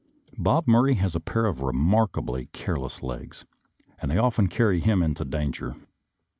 Bob Murray has a pair of remarkably careless legs, and they often carry him into danger.